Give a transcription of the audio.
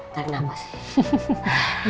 nah enggak apa sih